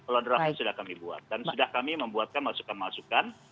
kalau draftnya sudah kami buat dan sudah kami membuatkan masukan masukan